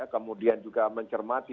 kemudian juga mencermati